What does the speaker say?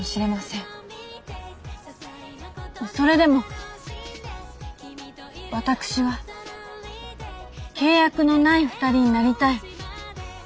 それでも私は契約のない二人になりたい。